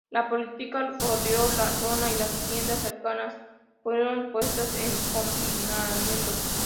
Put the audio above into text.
La policía rodeó la zona, y las tiendas cercanas fueron puestas en confinamiento.